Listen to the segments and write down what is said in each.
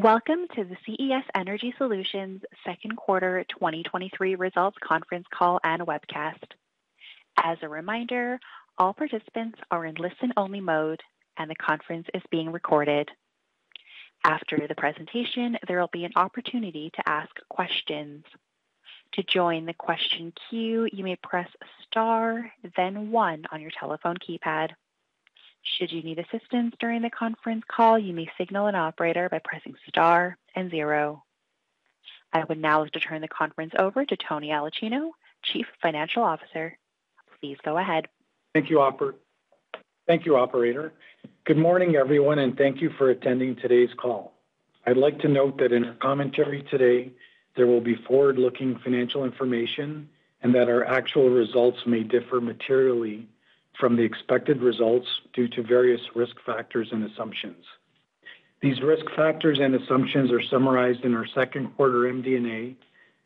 Welcome to the CES Energy Solutions Second Quarter 2023 Results Conference Call and Webcast. As a reminder, all participants are in listen-only mode, and the conference is being recorded. After the presentation, there will be an opportunity to ask questions. To join the question queue, you may press Star, then one on your telephone keypad. Should you need assistance during the conference call, you may signal an operator by pressing Star and zero. I would now like to turn the conference over to Tony Aulicino, Chief Financial Officer. Please go ahead. Thank you, operator. Good morning, everyone, and thank you for attending today's call. I'd like to note that in our commentary today, there will be forward-looking financial information and that our actual results may differ materially from the expected results due to various risk factors and assumptions. These risk factors and assumptions are summarized in our second quarter MD&A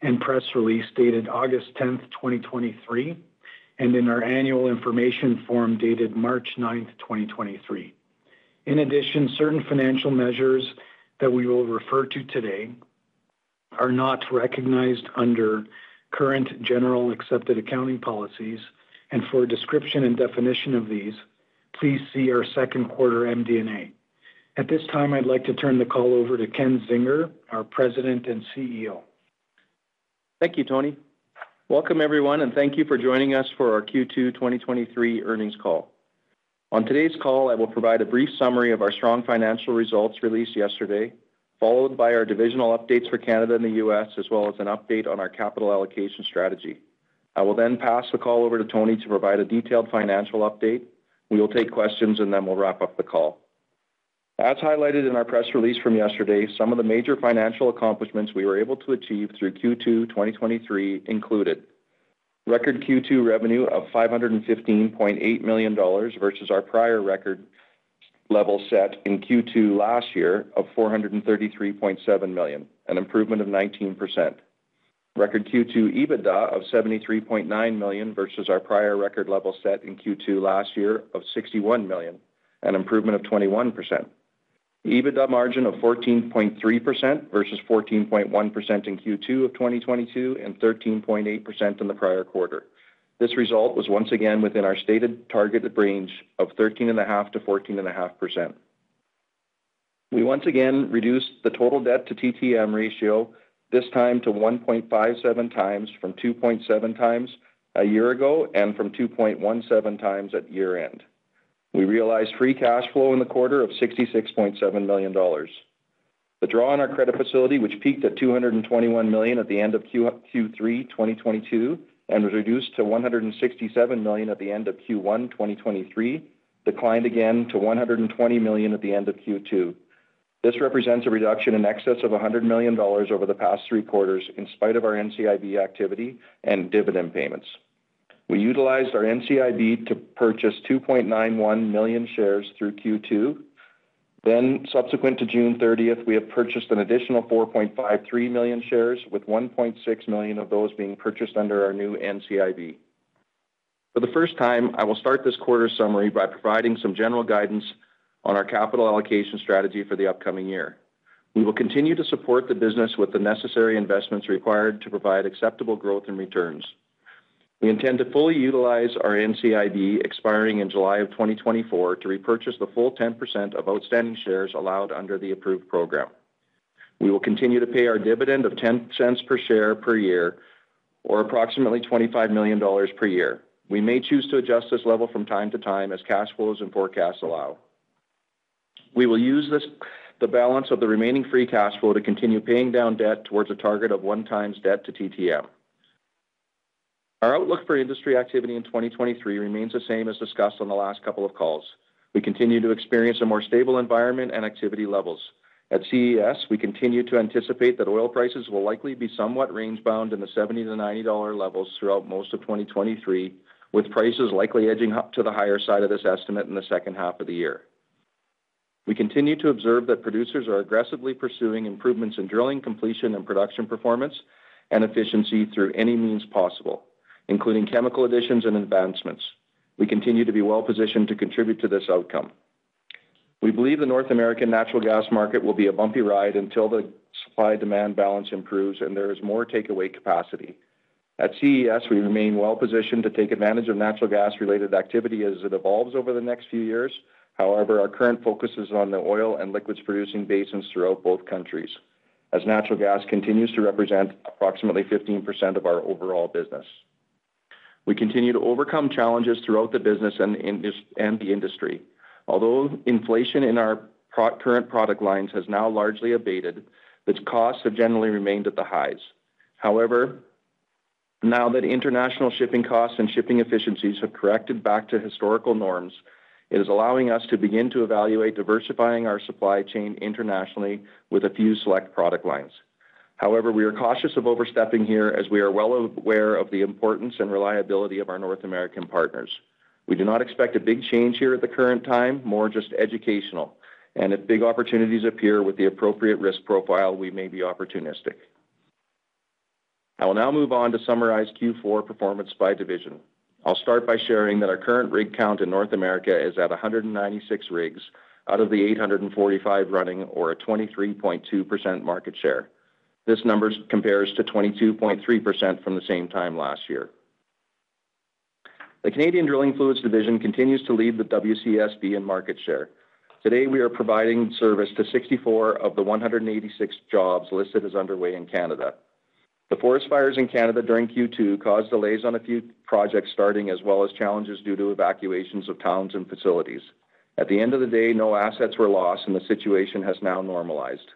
and press release dated August 10, 2023, and in our Annual Information Form dated March 9, 2023. In addition, certain financial measures that we will refer to today are not recognized under current general accepted accounting policies, and for a description and definition of these, please see our second quarter MD&A. At this time, I'd like to turn the call over to Ken Zinger, our President and CEO. Thank you, Tony. Welcome, everyone, and thank you for joining us for our Q2 2023 Earnings Call. On today's call, I will provide a brief summary of our strong financial results released yesterday, followed by our divisional updates for Canada and the U.S., as well as an update on our capital allocation strategy. I will then pass the call over to Tony to provide a detailed financial update. We will take questions, and then we'll wrap up the call. As highlighted in our press release from yesterday, some of the major financial accomplishments we were able to achieve through Q2 2023 included: Record Q2 revenue of 515.8 million dollars versus our prior record level set in Q2 last year of 433.7 million, an improvement of 19%. Record Q2 EBITDA of 73.9 million versus our prior record level set in Q2 last year of 61 million, an improvement of 21%. EBITDA margin of 14.3% versus 14.1% in Q2 of 2022 and 13.8% in the prior quarter. This result was once again within our stated targeted range of 13.5%-14.5%. We once again reduced the total debt to TTM ratio, this time to 1.57x from 2.7x a year ago and from 2.17x at year-end. We realized free cash flow in the quarter of 66.7 million dollars. The draw on our credit facility, which peaked at 221 million at the end of Q3 2022 and was reduced to 167 million at the end of Q1 2023, declined again to 120 million at the end of Q2. This represents a reduction in excess of 100 million dollars over the past three quarters, in spite of our NCIB activity and dividend payments. We utilized our NCIB to purchase 2.91 million shares through Q2. Subsequent to June 30th, we have purchased an additional 4.53 million shares, with 1.6 million of those being purchased under our new NCIB. For the first time, I will start this quarter summary by providing some general guidance on our capital allocation strategy for the upcoming year. We will continue to support the business with the necessary investments required to provide acceptable growth and returns. We intend to fully utilize our NCIB, expiring in July of 2024, to repurchase the full 10% of outstanding shares allowed under the approved program. We will continue to pay our dividend of 0.10 per share per year or approximately 25 million dollars per year. We may choose to adjust this level from time to time as cash flows and forecasts allow. We will use this, the balance of the remaining free cash flow to continue paying down debt towards a target of 1x debt to TTM. Our outlook for industry activity in 2023 remains the same as discussed on the last couple of calls. We continue to experience a more stable environment and activity levels. At CES, we continue to anticipate that oil prices will likely be somewhat range-bound in the 70-90 dollar levels throughout most of 2023, with prices likely edging up to the higher side of this estimate in the second half of the year. We continue to observe that producers are aggressively pursuing improvements in drilling, completion, and production performance and efficiency through any means possible, including chemical additions and advancements. We continue to be well-positioned to contribute to this outcome. We believe the North American natural gas market will be a bumpy ride until the supply-demand balance improves and there is more takeaway capacity. At CES, we remain well positioned to take advantage of natural gas-related activity as it evolves over the next few years. However, our current focus is on the oil and liquids-producing basins throughout both countries. As natural gas continues to represent approximately 15% of our overall business. We continue to overcome challenges throughout the business and the industry. Although inflation in our current product lines has now largely abated, its costs have generally remained at the highs. However, now that international shipping costs and shipping efficiencies have corrected back to historical norms, it is allowing us to begin to evaluate diversifying our supply chain internationally with a few select product lines. However, we are cautious of overstepping here as we are well aware of the importance and reliability of our North American partners. We do not expect a big change here at the current time, more just educational, and if big opportunities appear with the appropriate risk profile, we may be opportunistic. I will now move on to summarize Q4 performance by division. I'll start by sharing that our current rig count in North America is at 196 rigs out of the 845 running, or a 23.2% market share. This number compares to 22.3% from the same time last year. The Canadian Drilling Fluids division continues to lead the WCSB in market share. Today, we are providing service to 64 of the 186 jobs listed as underway in Canada. The forest fires in Canada during Q2 caused delays on a few projects starting, as well as challenges due to evacuations of towns and facilities. At the end of the day, no assets were lost and the situation has now normalized.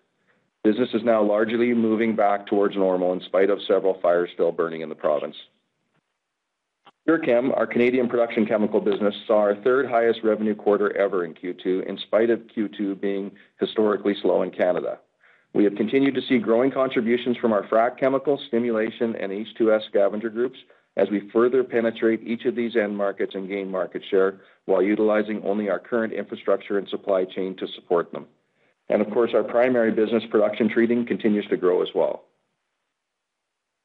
Business is now largely moving back towards normal in spite of several fires still burning in the province. PureChem, our Canadian production chemical business, saw our third highest revenue quarter ever in Q2, in spite of Q2 being historically slow in Canada. We have continued to see growing contributions from our frac chemical, stimulation, and H2S Scavenger groups as we further penetrate each of these end markets and gain market share, while utilizing only our current infrastructure and supply chain to support them. Of course, our primary business, production treating, continues to grow as well.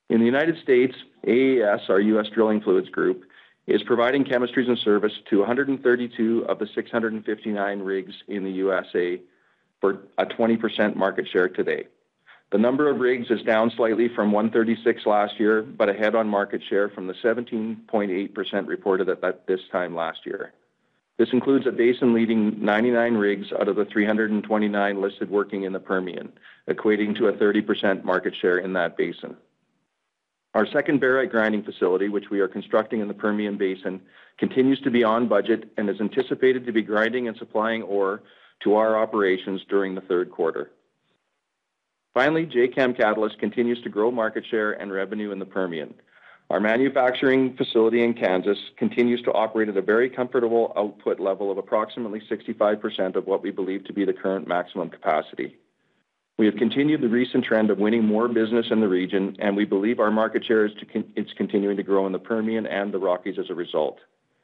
In the United States, AES, our U.S. Drilling Fluids group, is providing chemistries and service to 132 of the 659 rigs in the USA for a 20% market share today. The number of rigs is down slightly from 136 last year, but ahead on market share from the 17.8% reported at this time last year. This includes a basin leading 99 rigs out of the 329 listed working in the Permian, equating to a 30% market share in that basin. Our second barite grinding facility, which we are constructing in the Permian Basin, continues to be on budget and is anticipated to be grinding and supplying ore to our operations during the third quarter. Finally, Jacam Catalyst continues to grow market share and revenue in the Permian. Our manufacturing facility in Kansas continues to operate at a very comfortable output level of approximately 65% of what we believe to be the current maximum capacity. We have continued the recent trend of winning more business in the region, and we believe our market share is continuing to grow in the Permian and the Rockies as a result.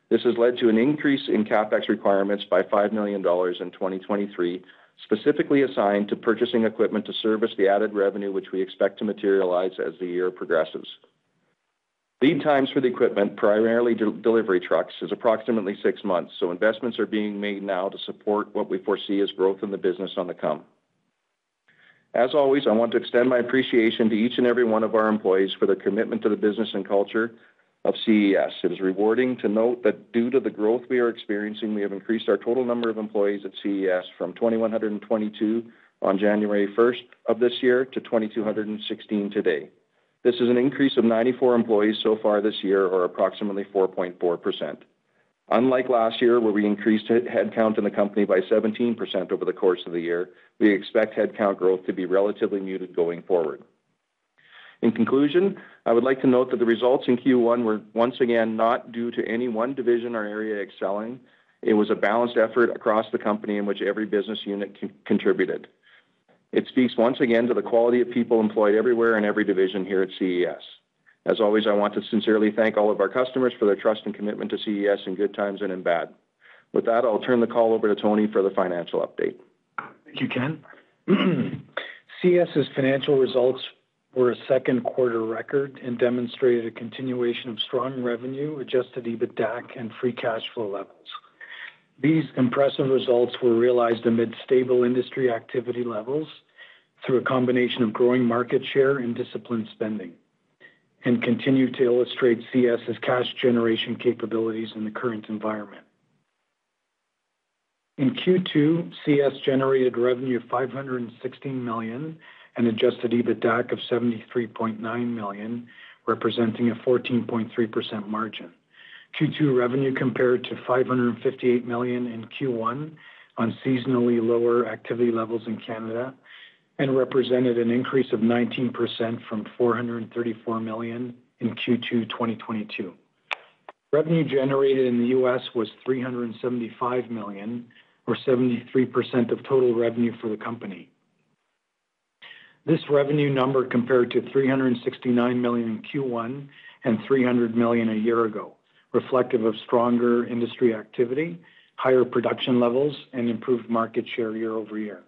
This has led to an increase in CapEx requirements by 5 million dollars in 2023, specifically assigned to purchasing equipment to service the added revenue, which we expect to materialize as the year progresses. Lead times for the equipment, primarily delivery trucks, is approximately six months, so investments are being made now to support what we foresee as growth in the business on the come. As always, I want to extend my appreciation to each and every one of our employees for their commitment to the business and culture of CES. It is rewarding to note that due to the growth we are experiencing, we have increased our total number of employees at CES from 2,122 on January first of this year to 2,216 today. This is an increase of 94 employees so far this year, or approximately 4.4%. Unlike last year, where we increased headcount in the company by 17% over the course of the year, we expect headcount growth to be relatively muted going forward. In conclusion, I would like to note that the results in Q1 were once again not due to any one division or area excelling. It was a balanced effort across the company in which every business unit contributed. It speaks once again to the quality of people employed everywhere in every division here at CES. As always, I want to sincerely thank all of our customers for their trust and commitment to CES in good times and in bad. With that, I'll turn the call over to Tony Aulicino for the financial update. Thank you, Ken. CES's financial results were a second quarter record and demonstrated a continuation of strong revenue, Adjusted EBITDAC, and free cash flow levels. These impressive results were realized amid stable industry activity levels through a combination of growing market share and disciplined spending. Continue to illustrate CES's cash generation capabilities in the current environment. In Q2, CES generated revenue of 516 million, and Adjusted EBITDAC of 73.9 million, representing a 14.3% margin. Q2 revenue compared to 558 million in Q1 on seasonally lower activity levels in Canada. Represented an increase of 19% from 434 million in Q2 2022. Revenue generated in the U.S. was $375 million, or 73% of total revenue for the company. This revenue number compared to 369 million in Q1 and 300 million a year-over-year, reflective of stronger industry activity, higher production levels, and improved market share year-over-year.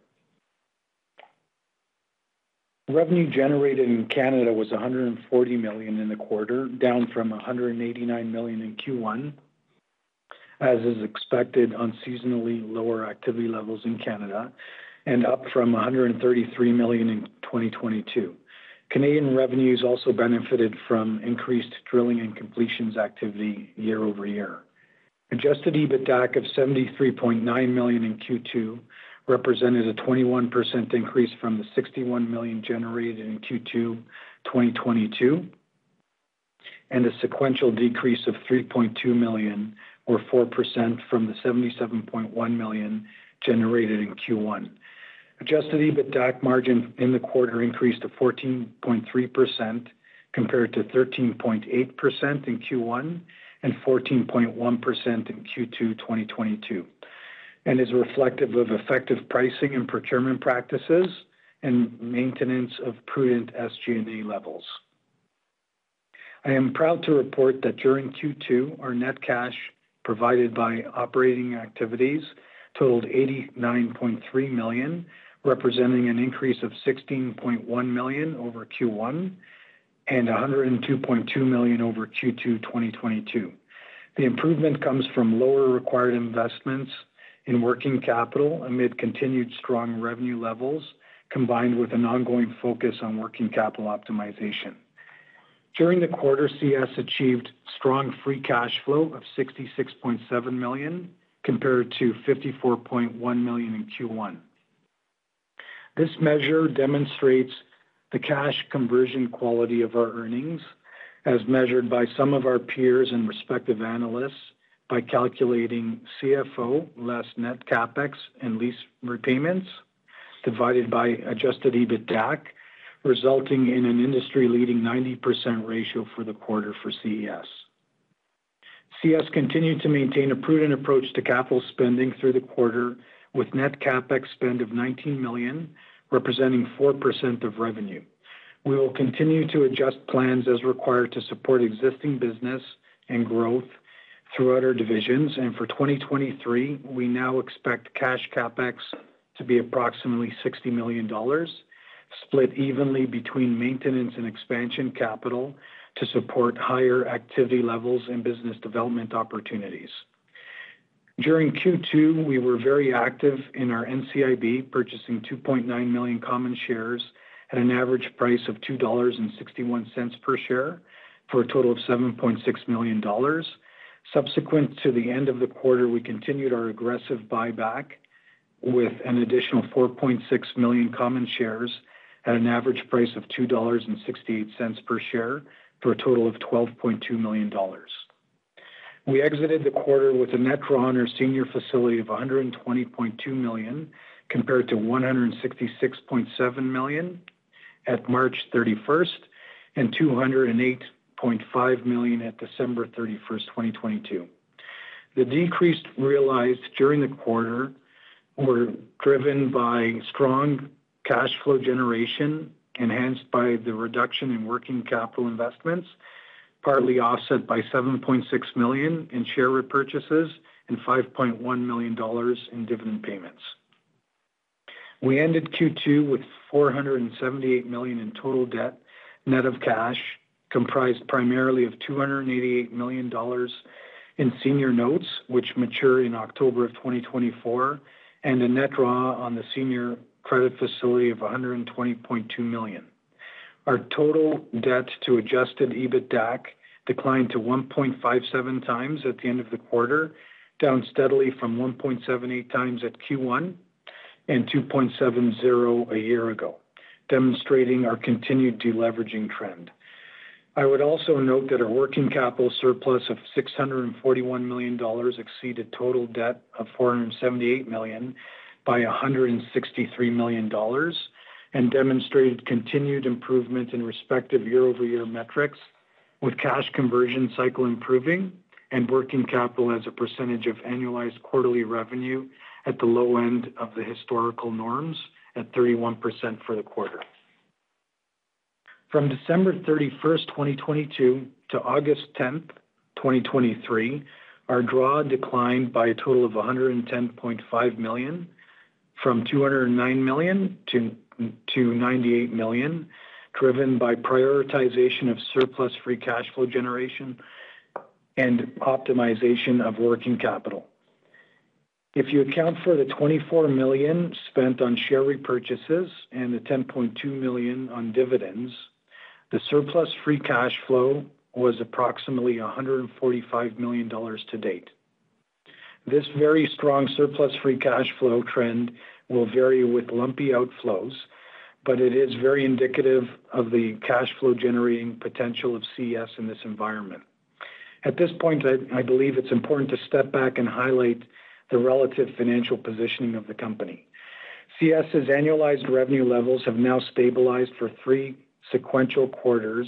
Revenue generated in Canada was 140 million in the quarter, down from 189 million in Q1, as is expected on seasonally lower activity levels in Canada, and up from 133 million in 2022. Canadian revenues also benefited from increased drilling and completions activity year-over-year. Adjusted EBITDAC of 73.9 million in Q2 represented a 21% increase from the 61 million generated in Q2 2022, and a sequential decrease of 3.2 million, or 4%, from the 77.1 million generated in Q1. Adjusted EBITDAC margin in the quarter increased to 14.3%, compared to 13.8% in Q1 and 14.1% in Q2 2022, and is reflective of effective pricing and procurement practices and maintenance of prudent SG&A levels. I am proud to report that during Q2, our net cash provided by operating activities totaled 89.3 million, representing an increase of 16.1 million over Q1 and 102.2 million over Q2, 2022. The improvement comes from lower required investments in working capital amid continued strong revenue levels, combined with an ongoing focus on working capital optimization. During the quarter, CES achieved strong free cash flow of 66.7 million, compared to 54.1 million in Q1. This measure demonstrates the cash conversion quality of our earnings, as measured by some of our peers and respective analysts, by calculating CFO, less net CapEx and lease repayments, divided by Adjusted EBITDAC, resulting in an industry-leading 90% ratio for the quarter for CES. CES continued to maintain a prudent approach to capital spending through the quarter, with net CapEx spend of 19 million, representing 4% of revenue. We will continue to adjust plans as required to support existing business and growth throughout our divisions, and for 2023, we now expect cash CapEx to be approximately 60 million dollars, split evenly between maintenance and expansion capital to support higher activity levels and business development opportunities. During Q2, we were very active in our NCIB, purchasing 2.9 million common shares at an average price of 2.61 dollars per share, for a total of 7.6 million dollars. Subsequent to the end of the quarter, we continued our aggressive buyback with an additional 4.6 million common shares at an average price of 2.68 dollars per share, for a total of 12.2 million dollars. We exited the quarter with a net draw on our senior facility of 120.2 million, compared to 166.7 million at March 31st, and 208.5 million at December 31st, 2022. The decreased realized during the quarter were driven by strong cash flow generation, enhanced by the reduction in working capital investments, partly offset by 7.6 million in share repurchases and 5.1 million dollars in dividend payments. We ended Q2 with 478 million in total debt, net of cash, comprised primarily of 288 million dollars in Senior Notes, which mature in October 2024, and a net draw on the senior credit facility of 120.2 million. Our total debt to Adjusted EBITDAC declined to 1.57x at the end of the quarter, down steadily from 1.78x at Q1 and 2.70x a year ago, demonstrating our continued deleveraging trend. I would also note that our working capital surplus of 641 million dollars exceeded total debt of 478 million by 163 million dollars, and demonstrated continued improvement in respective year-over-year metrics, with cash conversion cycle improving and working capital as a percentage of annualized quarterly revenue at the low end of the historical norms at 31% for the quarter. From December 31, 2022 to August 10, 2023, our draw declined by a total of 110.5 million, from 209 million to 98 million, driven by prioritization of surplus free cash flow generation and optimization of working capital. If you account for the 24 million spent on share repurchases and the 10.2 million on dividends, the surplus free cash flow was approximately 145 million dollars to date. This very strong surplus free cash flow trend will vary with lumpy outflows, but it is very indicative of the cash flow generating potential of CES in this environment. At this point, I, I believe it's important to step back and highlight the relative financial positioning of the company. CES's annualized revenue levels have now stabilized for three sequential quarters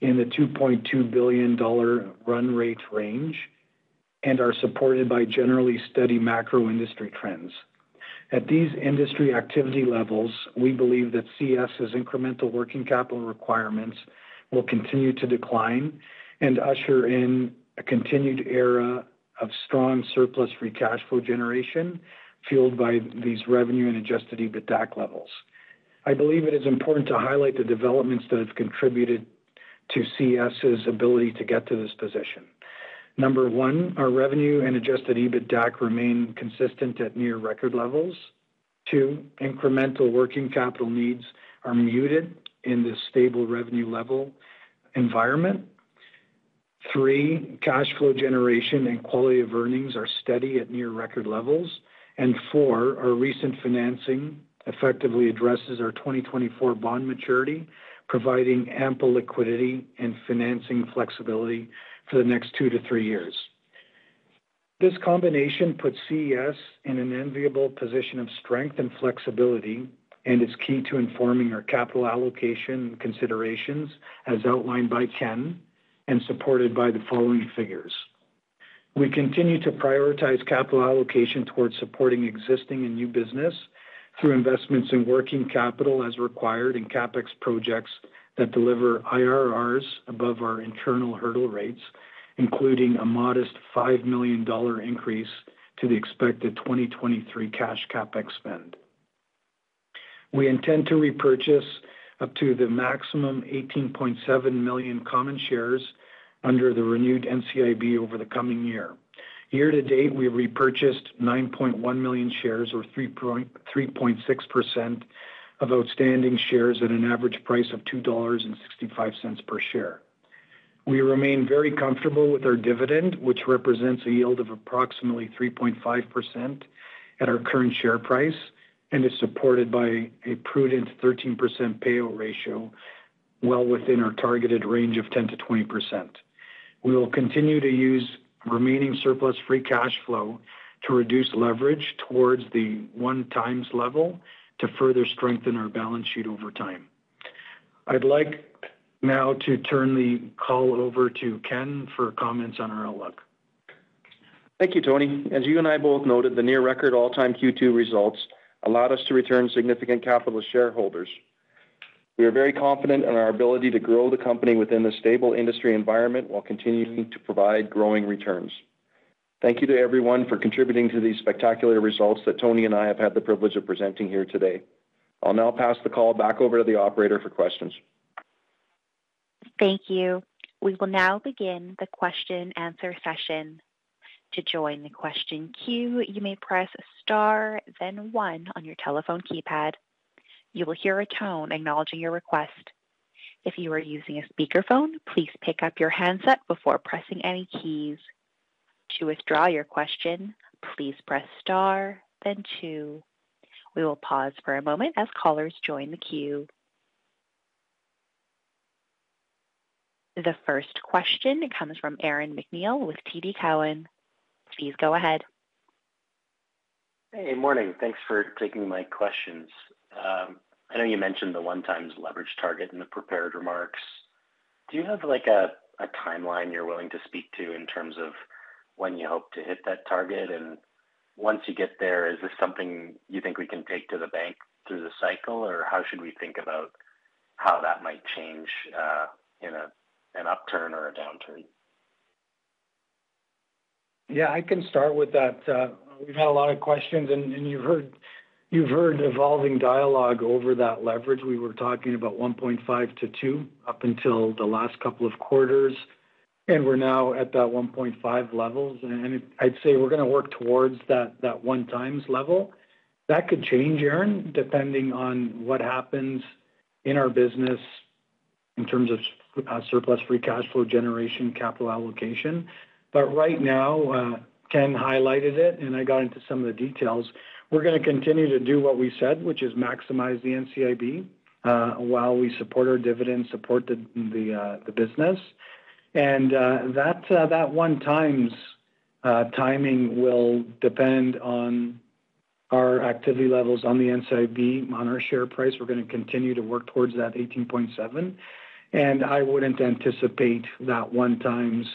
in the 2.2 billion dollar run rate range and are supported by generally steady macro industry trends. At these industry activity levels, we believe that CES's incremental working capital requirements will continue to decline and usher in a continued era of strong surplus free cash flow generation, fueled by these revenue and Adjusted EBITDAC levels. I believe it is important to highlight the developments that have contributed to CES's ability to get to this position. Number one, our revenue and Adjusted EBITDAC remain consistent at near record levels. Two, incremental working capital needs are muted in this stable revenue level environment. Three, cash flow generation and quality of earnings are steady at near record levels. Four, our recent financing effectively addresses our 2024 bond maturity, providing ample liquidity and financing flexibility for the next two to three years. This combination puts CES in an enviable position of strength and flexibility, and is key to informing our capital allocation considerations, as outlined by Ken, and supported by the following figures. We continue to prioritize capital allocation towards supporting existing and new business through investments in working capital as required, and CapEx projects that deliver IRRs above our internal hurdle rates, including a modest 5 million dollar increase to the expected 2023 cash CapEx spend. We intend to repurchase up to the maximum 18.7 million common shares under the renewed NCIB over the coming year. Year to date, we repurchased 9.1 million shares, or 3.6% of outstanding shares at an average price of 2.65 dollars per share. We remain very comfortable with our dividend, which represents a yield of approximately 3.5% at our current share price, and is supported by a prudent 13% payout ratio, well within our targeted range of 10%-20%. We will continue to use remaining surplus free cash flow to reduce leverage towards the 1x level to further strengthen our balance sheet over time. I'd like now to turn the call over to Ken for comments on our outlook. Thank you, Tony. As you and I both noted, the near record all-time Q2 results allowed us to return significant capital to shareholders. We are very confident in our ability to grow the company within a stable industry environment while continuing to provide growing returns. Thank you to everyone for contributing to these spectacular results that Tony and I have had the privilege of presenting here today. I'll now pass the call back over to the operator for questions. Thank you. We will now begin the question-answer session. To join the question queue, you may press star, then one on your telephone keypad. You will hear a tone acknowledging your request. If you are using a speakerphone, please pick up your handset before pressing any keys. To withdraw your question, please press star, then two. We will pause for a moment as callers join the queue. The first question comes from Aaron MacNeil with TD Cowen. Please go ahead. Hey, morning. Thanks for taking my questions. I know you mentioned the 1x leverage target in the prepared remarks. Do you have, like, a, a timeline you're willing to speak to in terms of when you hope to hit that target? Once you get there, is this something you think we can take to the bank through the cycle, or how should we think about how that might change, in a, an upturn or a downturn? Yeah, I can start with that. We've had a lot of questions, you've heard, you've heard evolving dialogue over that leverage. We were talking about 1.5x-2x up until the last couple of quarters, and we're now at that 1.5x levels. I'd say we're gonna work towards that, that 1x level. That could change, Aaron, depending on what happens in our business in terms of surplus free cash flow generation, capital allocation. But right now, Ken highlighted it, and I got into some of the details. We're gonna continue to do what we said, which is maximize the NCIB, while we support our dividend, support the business. That 1x timing will depend on our activity levels on the NCIB, on our share price. We're gonna continue to work towards that 18.7, and I wouldn't anticipate that 1x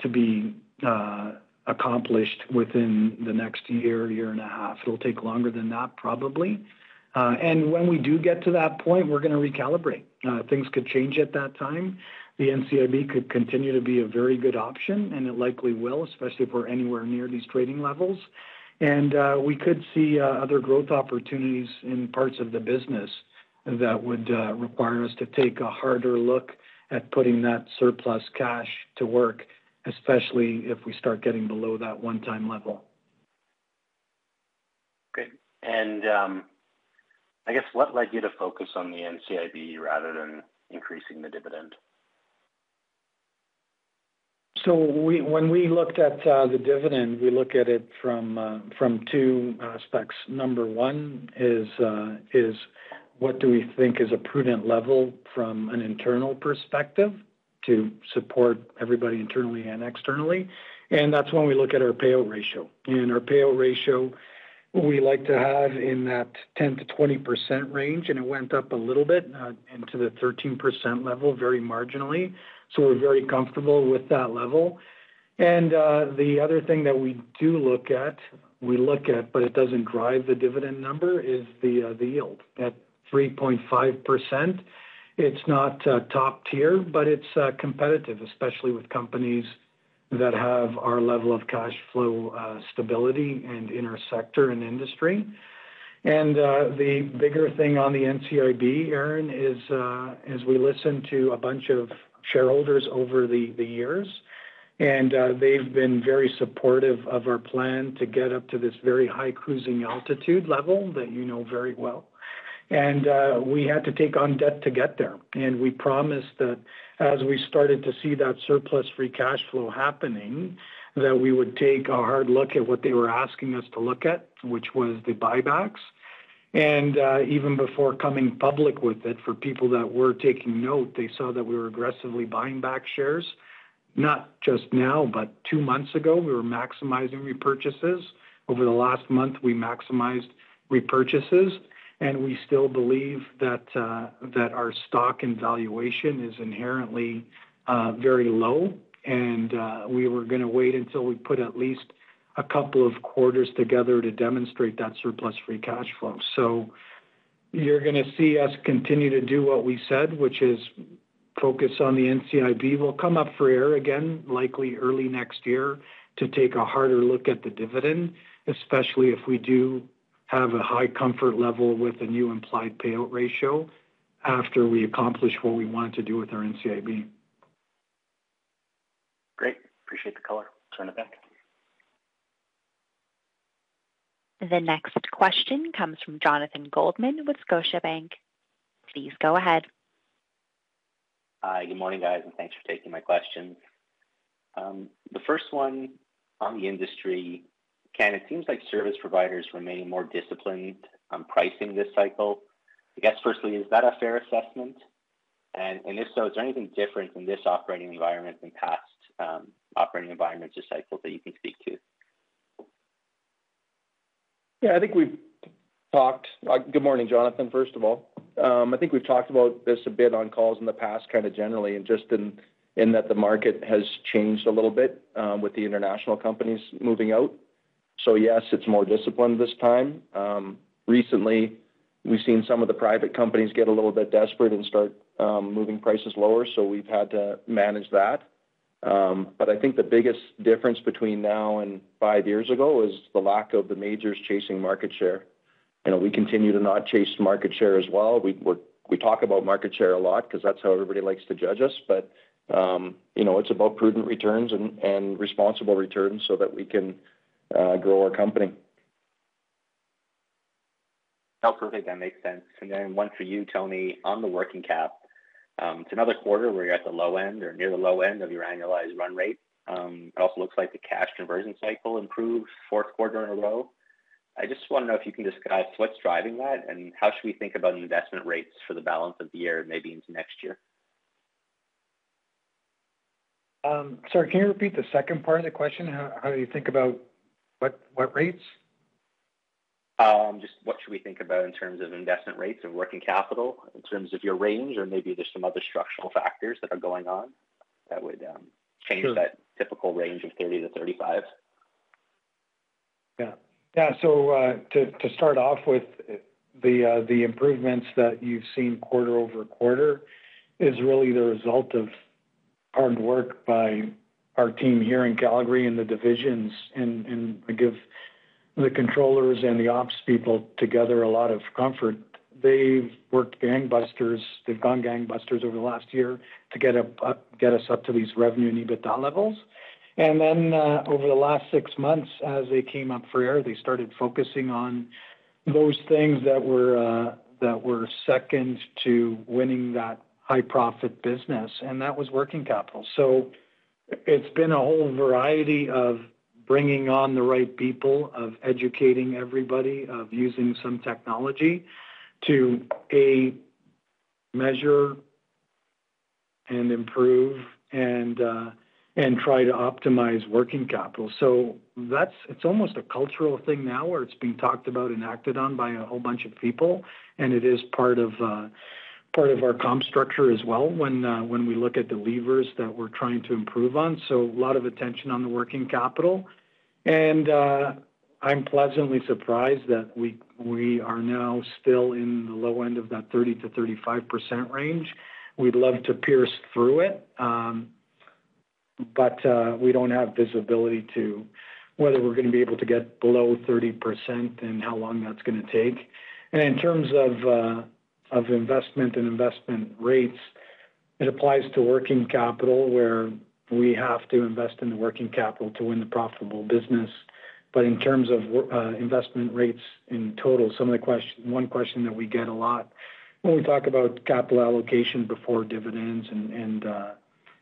to be accomplished within the next year, year and a half. It'll take longer than that, probably. When we do get to that point, we're gonna recalibrate. Things could change at that time. The NCIB could continue to be a very good option, and it likely will, especially if we're anywhere near these trading levels. We could see other growth opportunities in parts of the business that would require us to take a harder look at putting that surplus cash to work, especially if we start getting below that 1x level. Okay. I guess, what led you to focus on the NCIB rather than increasing the dividend? When we looked at the dividend, we look at it from from two specs. Number one is what do we think is a prudent level from an internal perspective to support everybody internally and externally, and that's when we look at our payout ratio. Our payout ratio, we like to have in that 10%-20% range, and it went up a little bit into the 13% level, very marginally. We're very comfortable with that level. The other thing that we do look at, we look at, but it doesn't drive the dividend number, is the yield. At 3.5%, it's not top tier, but it's competitive, especially with companies that have our level of cash flow stability and in our sector and industry. The bigger thing on the NCIB, Aaron, is as we listen to a bunch of shareholders over the, the years, they've been very supportive of our plan to get up to this very high cruising altitude level that you know very well. We had to take on debt to get there. We promised that as we started to see that surplus free cash flow happening, that we would take a hard look at what they were asking us to look at, which was the buybacks. Even before coming public with it, for people that were taking note, they saw that we were aggressively buying back shares. Not just now, but two months ago, we were maximizing repurchases. Over the last month, we maximized repurchases, and we still believe that our stock and valuation is inherently very low. We were going to wait until we put at least a couple of quarters together to demonstrate that surplus free cash flow. You're going to see us continue to do what we said, which is focus on the NCIB. We'll come up for air again, likely early next year, to take a harder look at the dividend, especially if we do have a high comfort level with the new implied payout ratio after we accomplish what we want to do with our NCIB. Great. Appreciate the color. Turn it back. The next question comes from Jonathan Goldman with Scotiabank. Please go ahead. Hi, good morning, guys, and thanks for taking my questions. The first one on the industry. Ken, it seems like service providers remain more disciplined on pricing this cycle. I guess, firstly, is that a fair assessment? If so, is there anything different in this operating environment than past operating environments or cycles that you can speak to? Yeah, I think we've talked-- good morning, Jonathan. First of all, I think we've talked about this a bit on calls in the past, kind of generally, and just in, in that the market has changed a little bit, with the international companies moving out. Yes, it's more disciplined this time. Recently, we've seen some of the private companies get a little bit desperate and start moving prices lower, so we've had to manage that. I think the biggest difference between now and five years ago is the lack of the majors chasing market share. You know, we continue to not chase market share as well. We, we talk about market share a lot because that's how everybody likes to judge us. You know, it's about prudent returns and, and responsible returns so that we can grow our company. Oh, perfect. That makes sense. One for you, Tony, on the working cap. It's another quarter where you're at the low end or near the low end of your annualized run rate. It also looks like the cash conversion cycle improved fourth quarter in a row. I just want to know if you can describe what's driving that, and how should we think about investment rates for the balance of the year, maybe into next year? Sorry, can you repeat the second part of the question? How do you think about what rates? Just what should we think about in terms of investment rates and working capital, in terms of your range, or maybe there's some other structural factors that are going on that would? Sure. change that typical range of 30-35? Yeah. Yeah. To start off with, the improvements that you've seen quarter-over-quarter is really the result of hard work by our team here in Calgary and the divisions. I give the controllers and the ops people together a lot of comfort. They've worked gangbusters. They've gone gangbusters over the last year to get us up to these revenue and EBITDA levels. Over the last six months, as they came up for air, they started focusing on those things that were that were second to winning that high profit business, and that was working capital. It's been a whole variety of bringing on the right people, of educating everybody, of using some technology to, A, measure and improve and try to optimize working capital. that's-- it's almost a cultural thing now, where it's being talked about and acted on by a whole bunch of people, and it is part of, part of our comp structure as well, when, when we look at the levers that we're trying to improve on. A lot of attention on the working capital. I'm pleasantly surprised that we, we are now still in the low end of that 30%-35% range. We'd love to pierce through it, but, we don't have visibility to whether we're going to be able to get below 30% and how long that's going to take. In terms of, of investment and investment rates, it applies to working capital, where we have to invest in the working capital to win the profitable business. In terms of investment rates in total, some of the one question that we get a lot when we talk about capital allocation before dividends and, and,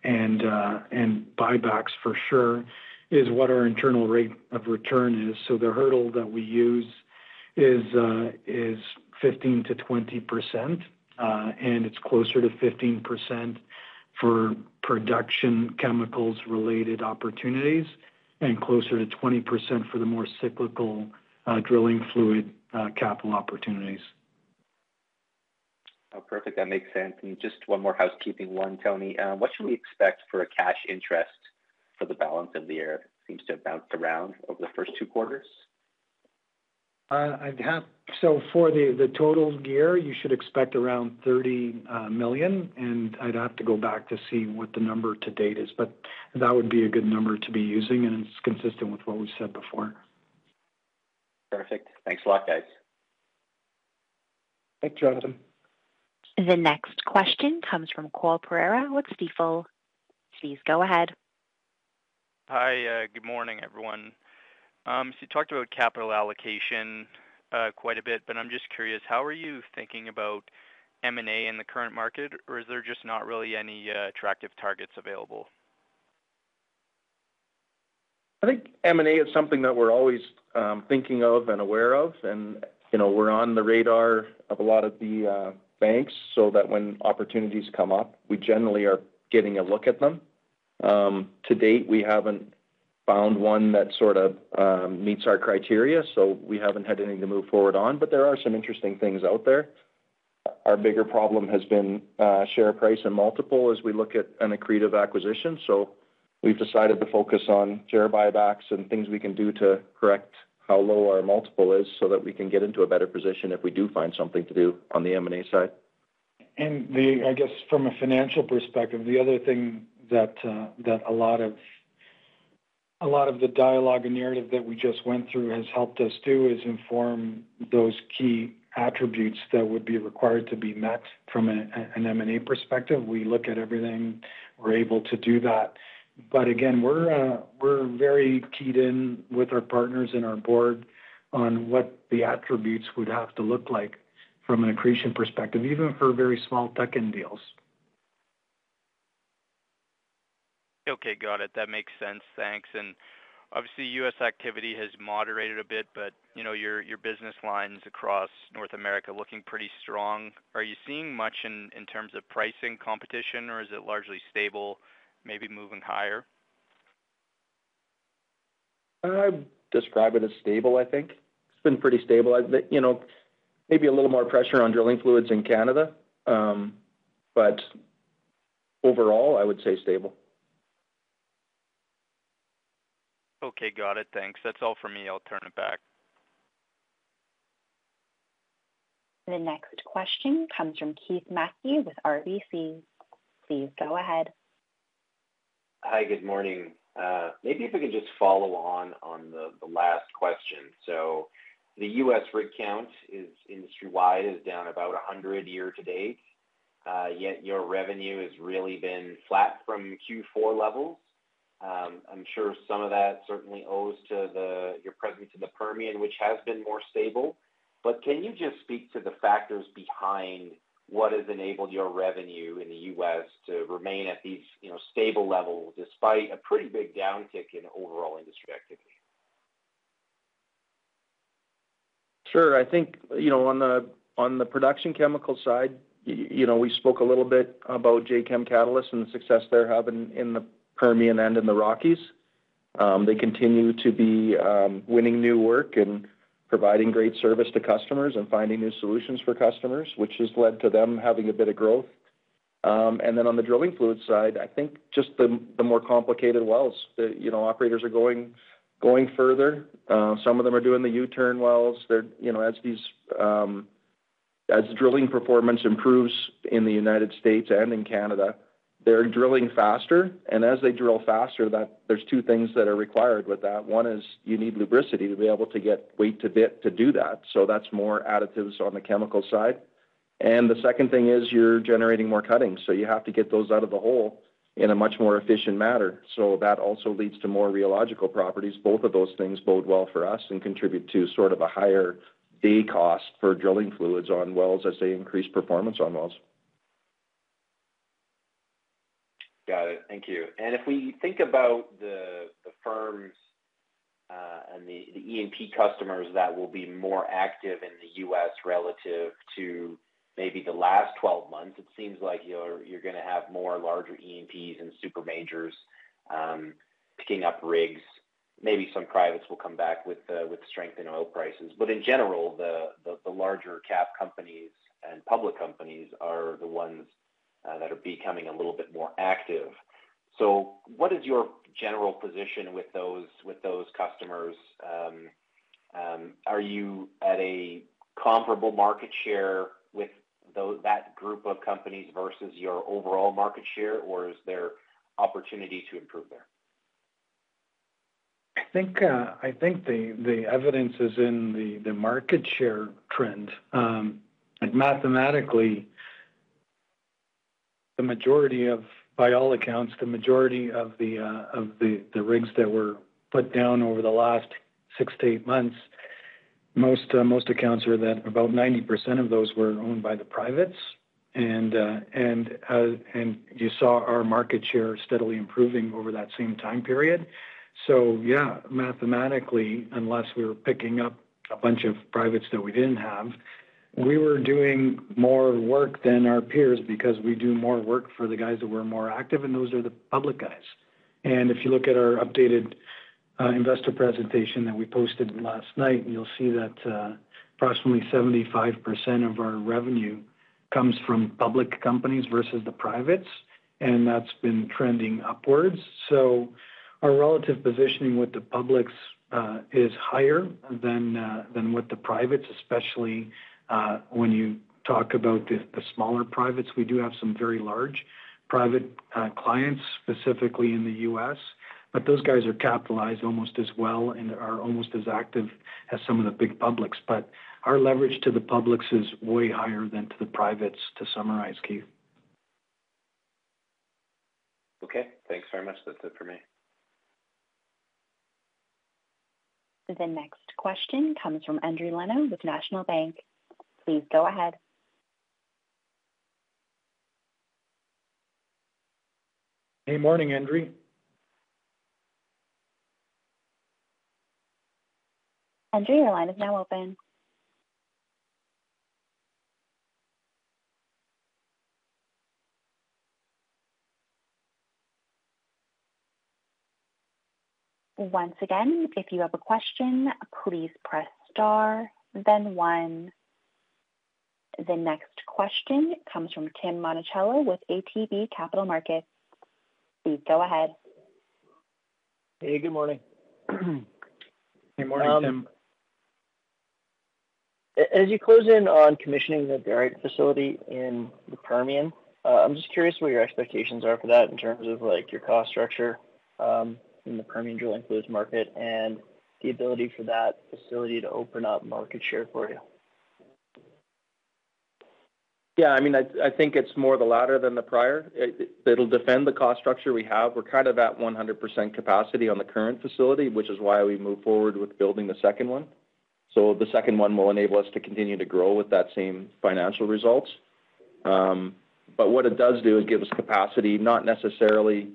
and buybacks for sure, is what our internal rate of return is. The hurdle that we use is, is 15%-20%, and it's closer to 15% for production chemicals related opportunities and closer to 20% for the more cyclical, drilling fluid, capital opportunities. Oh, perfect. That makes sense. Just one more housekeeping one, Tony. What should we expect for a cash interest for the balance of the year? It seems to have bounced around over the first two quarters. For the, the total year, you should expect around 30 million, and I'd have to go back to see what the number to date is, but that would be a good number to be using, and it's consistent with what we've said before. Perfect. Thanks a lot, guys. Thanks, Jonathan. The next question comes from Cole Pereira with Stifel. Please go ahead. Hi, good morning, everyone. You talked about capital allocation, quite a bit, but I'm just curious, how are you thinking about M&A in the current market, or is there just not really any attractive targets available? I think M&A is something that we're always, thinking of and aware of, and, you know, we're on the radar of a lot of the banks so that when opportunities come up, we generally are getting a look at them. To date, we haven't found one that sort of, meets our criteria, so we haven't had anything to move forward on. There are some interesting things out there. Our bigger problem has been share price and multiple as we look at an accretive acquisition. We've decided to focus on share buybacks and things we can do to correct how low our multiple is, so that we can get into a better position if we do find something to do on the M&A side. I guess from a financial perspective, the other thing that a lot of, a lot of the dialogue and narrative that we just went through has helped us do, is inform those key attributes that would be required to be met from an M&A perspective. We look at everything. We're able to do that. Again, we're very keyed in with our partners and our board on what the attributes would have to look like from an accretion perspective, even for very small tuck-in deals. Okay, got it. That makes sense. Thanks. Obviously, U.S. activity has moderated a bit, but, you know, your, your business lines across North America are looking pretty strong. Are you seeing much in, in terms of pricing competition, or is it largely stable, maybe moving higher? I'd describe it as stable, I think. It's been pretty stable. You know, maybe a little more pressure on Drilling Fluids in Canada, but overall, I would say stable. Okay, got it. Thanks. That's all for me. I'll turn it back. The next question comes from Keith Mackey with RBC. Please go ahead. Hi, good morning. Maybe if we could just follow on, on the, the last question. The U.S. rig count is, industry-wide, is down about 100 year to date, yet your revenue has really been flat from Q4 levels. I'm sure some of that certainly owes to the, your presence in the Permian, which has been more stable. Can you just speak to the factors behind what has enabled your revenue in the US to remain at these, you know, stable levels, despite a pretty big downtick in overall industry activity? Sure. I think, you know, on the, on the production chemical side, you know, we spoke a little bit about Jacam Catalyst and the success they're having in the Permian and in the Rockies. They continue to be winning new work and providing great service to customers and finding new solutions for customers, which has led to them having a bit of growth. Then on the drilling fluid side, I think just the, the more complicated wells that, you know, operators are going, going further. Some of them are doing the U-turn wells. They're, you know, as these, as drilling performance improves in the United States and in Canada, they're drilling faster. As they drill faster, there's two things that are required with that. One is you need lubricity to be able to get weight to bit to do that, so that's more additives on the chemical side. The second thing is you're generating more cuttings, so you have to get those out of the hole in a much more efficient manner. That also leads to more rheological properties. Both of those things bode well for us and contribute to sort of a higher day cost for Drilling Fluids on wells as they increase performance on wells. Got it. Thank you. If we think about the, the firms, and the, the E&P customers that will be more active in the US relative to maybe the last 12 months, it seems like you're, you're gonna have more larger E&Ps and super majors picking up rigs. Maybe some privates will come back with the, with strength in oil prices. In general, the, the, the larger cap companies and public companies are the ones that are becoming a little bit more active. What is your general position with those, with those customers? Are you at a comparable market share with that group of companies versus your overall market share, or is there opportunity to improve there? I think, I think the, the evidence is in the, the market share trend. Like, mathematically, the majority of... By all accounts, the majority of the, of the, the rigs that were put down over the last six to eight months, most, most accounts are that about 90% of those were owned by the privates. You saw our market share steadily improving over that same time period. Yeah, mathematically, unless we were picking up a bunch of privates that we didn't have, we were doing more work than our peers because we do more work for the guys that were more active, and those are the public guys. If you look at our updated investor presentation that we posted last night, you'll see that approximately 75% of our revenue comes from public companies versus the privates, and that's been trending upwards. Our relative positioning with the publics is higher than with the privates, especially when you talk about the smaller privates. We do have some very large private clients, specifically in the US, but those guys are capitalized almost as well and are almost as active as some of the big publics. Our leverage to the publics is way higher than to the privates, to summarize, Keith. Okay. Thanks very much. That's it for me. The next question comes from Andrew Leno with National Bank. Please go ahead. Good morning, Andrew. Andrew, your line is now open. Once again, if you have a question, please press star, then one. The next question comes from Tim Monachello with ATB Capital Markets. Please go ahead. Hey, good morning. Good morning, Tim. As you close in on commissioning the barite facility in the Permian, I'm just curious what your expectations are for that in terms of, like, your cost structure, in the Permian Drilling Fluids market and the ability for that facility to open up market share for you? Yeah, I mean, I, I think it's more of the latter than the prior. It, it'll defend the cost structure we have. We're kind of at 100% capacity on the current facility, which is why we moved forward with building the second one. The second one will enable us to continue to grow with that same financial results. But what it does do is give us capacity, not necessarily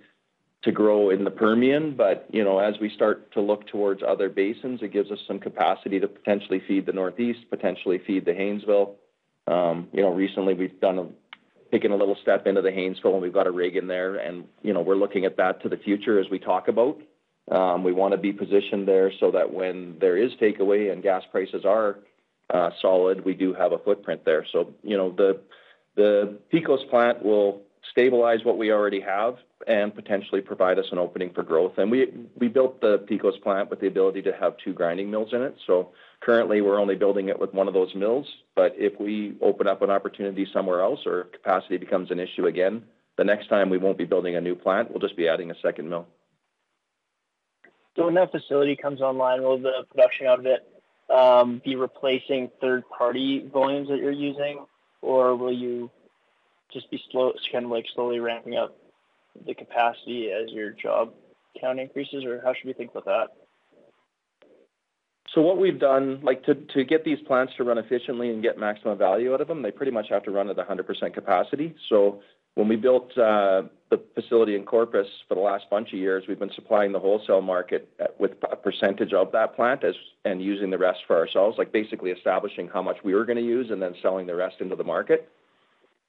to grow in the Permian, but, you know, as we start to look towards other basins, it gives us some capacity to potentially feed the Northeast, potentially feed the Haynesville. You know, recently we've done taking a little step into the Haynesville, and we've got a rig in there, and, you know, we're looking at that to the future as we talk about. We wanna be positioned there so that when there is takeaway and gas prices are solid, we do have a footprint there. You know, the, the Pecos plant will stabilize what we already have and potentially provide us an opening for growth. We, we built the Pecos plant with the ability to have two grinding mills in it. Currently, we're only building it with one of those mills, but if we open up an opportunity somewhere else or capacity becomes an issue again, the next time we won't be building a new plant, we'll just be adding a second mill. When that facility comes online, will the production out of it, be replacing third-party volumes that you're using? Will you just be slow, like, slowly ramping up the capacity as your job count increases, or how should we think about that? What we've done, like, to, to get these plants to run efficiently and get maximum value out of them, they pretty much have to run at 100% capacity. When we built the facility in Corpus for the last bunch of years, we've been supplying the wholesale market with a percentage of that plant and using the rest for ourselves, like, basically establishing how much we were gonna use and then selling the rest into the market.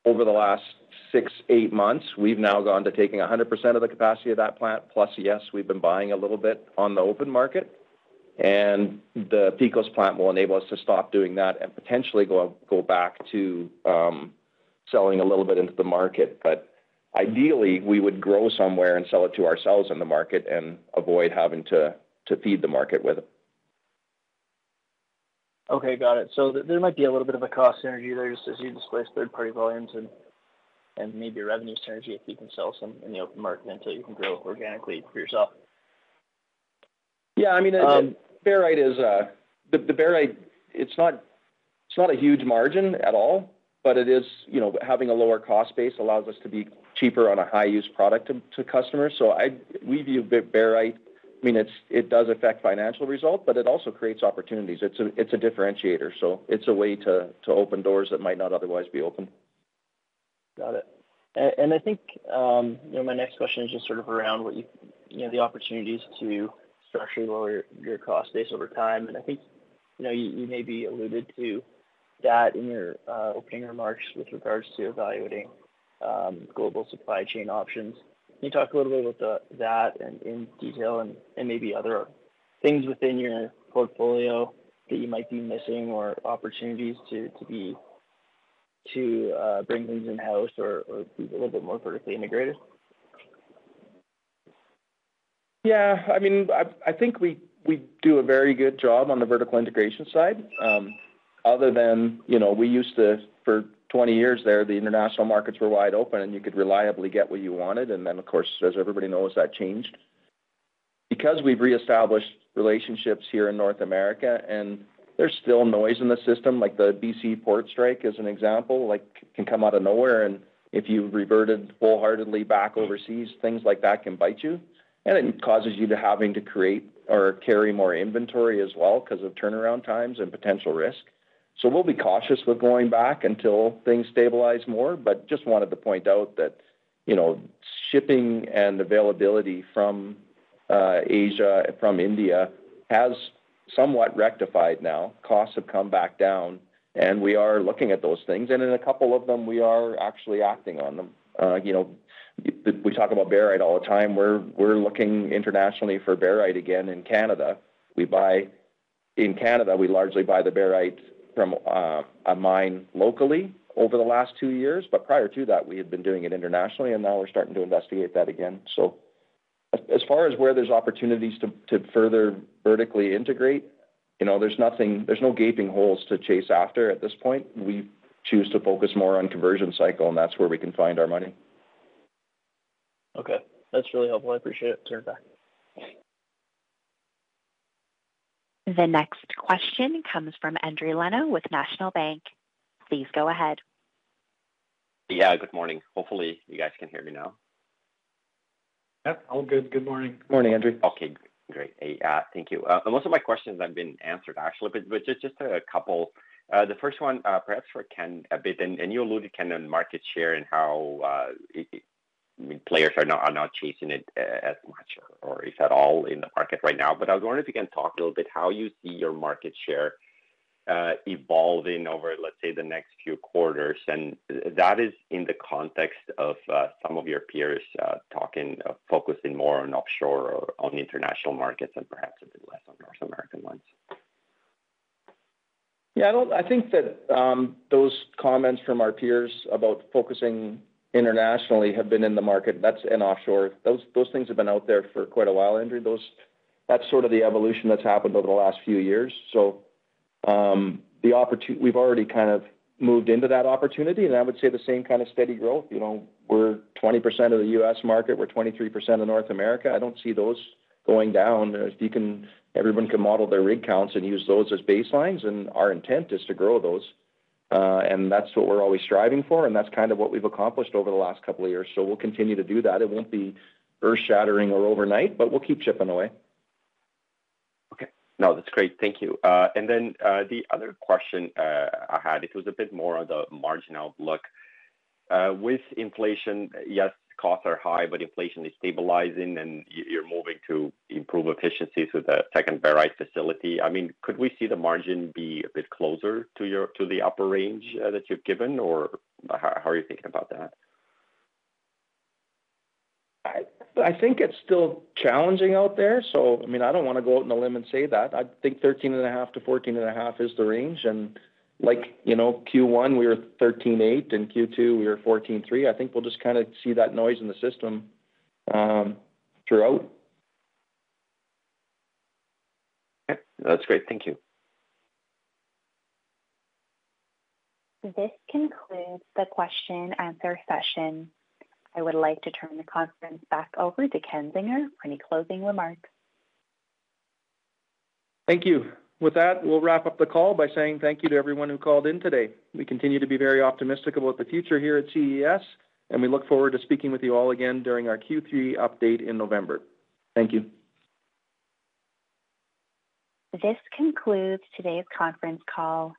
Over the last six, eight months, we've now gone to taking 100% of the capacity of that plant, plus, yes, we've been buying a little bit on the open market, and the Pecos plant will enable us to stop doing that and potentially go, go back to selling a little bit into the market. Ideally, we would grow somewhere and sell it to ourselves in the market and avoid having to, to feed the market with it. Okay, got it. There, there might be a little bit of a cost synergy there just as you displace third-party volumes and, and maybe a revenue synergy if you can sell some in the open market, until you can grow organically for yourself. Yeah, I mean- Um-... barite is, the, the barite, it's not, it's not a huge margin at all, but it is... You know, having a lower cost base allows us to be cheaper on a high-use product to, to customers. We view barite, I mean, it's, it does affect financial results, but it also creates opportunities. It's a, it's a differentiator, so it's a way to, to open doors that might not otherwise be open. Got it. I think, you know, my next question is just sort of around what you, you know, the opportunities to structurally lower your cost base over time. I think, you know, you, you maybe alluded to that in your opening remarks with regards to evaluating global supply chain options. Can you talk a little bit about the, that in, in detail and, and maybe other things within your portfolio that you might be missing or opportunities to, to be, to bring things in-house or, or be a little bit more vertically integrated? Yeah, I mean, I, I think we, we do a very good job on the vertical integration side. Other than, you know, we used to, for 20 years there, the international markets were wide open, and you could reliably get what you wanted. Then, of course, as everybody knows, that changed. We've reestablished relationships here in North America, and there's still noise in the system, like the BC port strike, as an example, like, can come out of nowhere, and if you reverted wholeheartedly back overseas, things like that can bite you. It causes you to having to create or carry more inventory as well because of turnaround times and potential risk. We'll be cautious with going back until things stabilize more, but just wanted to point out that, you know, shipping and availability from Asia, from India, has somewhat rectified now. Costs have come back down, and we are looking at those things, and in a couple of them, we are actually acting on them. You know, we, we talk about barite all the time. We're, we're looking internationally for barite again in Canada. In Canada, we largely buy the barite from a mine locally over the last two years, but prior to that, we had been doing it internationally, and now we're starting to investigate that again. As far as where there's opportunities to, to further vertically integrate, you know, there's nothing, there's no gaping holes to chase after at this point. We choose to focus more on conversion cycle, and that's where we can find our money. Okay. That's really helpful. I appreciate it. Turn it back. The next question comes from Andrew Leno with National Bank. Please go ahead. Yeah, good morning. Hopefully, you guys can hear me now. Yeah, all good. Good morning. Morning, Andrew. Okay, great. Hey, thank you. Most of my questions have been answered actually, but, but just, just a couple. The first one, perhaps for Ken a bit, and, and you alluded, Ken, on market share and how it, players are not, are not chasing it as much or if at all in the market right now. I was wondering if you can talk a little bit how you see your market share evolving over, let's say, the next few quarters. That is in the context of some of your peers talking, focusing more on offshore or on international markets and perhaps a bit less on North American ones. Yeah, I don't-- I think that those comments from our peers about focusing internationally have been in the market. That's in offshore. Those, those things have been out there for quite a while, Andrew. Those-- That's sort of the evolution that's happened over the last few years. The opport... We've already kind of moved into that opportunity, and I would say the same kind of steady growth. You know, we're 20% of the U.S. market, we're 23% of North America. I don't see those going down. You can-- Everyone can model their rig counts and use those as baselines, and our intent is to grow those. That's what we're always striving for, and that's kind of what we've accomplished over the last couple of years. We'll continue to do that. It won't be earth-shattering or overnight, but we'll keep chipping away. Okay. No, that's great. Thank you. The other question, I had, it was a bit more on the marginal outlook. With inflation, yes, costs are high, but inflation is stabilizing and you're, you're moving to improve efficiencies with the second barite facility. I mean, could we see the margin be a bit closer to your, to the upper range, that you've given, or how, how are you thinking about that? I think it's still challenging out there, I mean, I don't want to go out on a limb and say that. I think 13.5-14.5 is the range, like, you know, Q1, we were 13.8, in Q2, we were 14.3. I think we'll just kind of see that noise in the system throughout. Okay. That's great. Thank you. This concludes the question and answer session. I would like to turn the conference back over to Ken Zinger for any closing remarks. Thank you. With that, we'll wrap up the call by saying thank you to everyone who called in today. We continue to be very optimistic about the future here at CES, and we look forward to speaking with you all again during our Q3 update in November. Thank you. This concludes today's conference call.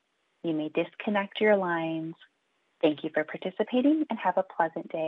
You may disconnect your lines. Thank you for participating, and have a pleasant day.